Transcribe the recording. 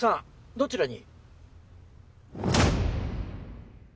どちらに？